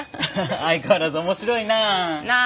相変わらず面白いなあ。